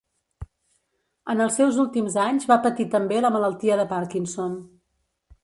En els seus últims anys va patir també la malaltia de Parkinson.